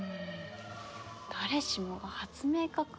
誰しもが発明家か。